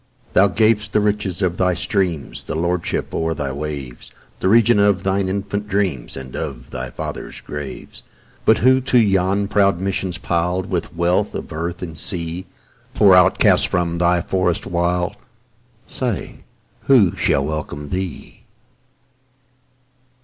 Thou gav'st the riches of thy streams, The lordship o'er thy waves, The region of thine infant dreams, And of thy fathers' graves, But who to yon proud mansions pil'd With wealth of earth and sea, Poor outcast from thy forest wild, Say, who shall welcome thee?